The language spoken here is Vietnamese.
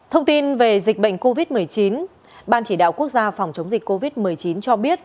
thông tin về dịch bệnh covid một mươi chín ban chỉ đạo quốc gia phòng chống dịch covid một mươi chín cho biết